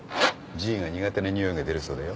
Ｇが苦手なにおいが出るそうだよ。